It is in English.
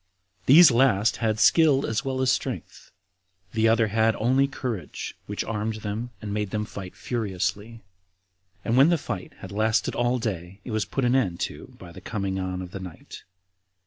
These last had skill as well as strength; the other had only courage, which armed them, and made them fight furiously. And when the fight had lasted all day, it was put an end to by the coming on of the night.